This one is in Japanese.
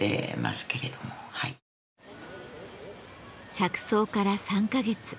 着想から３か月。